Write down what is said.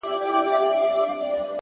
پر تك سره پلـــنــگ’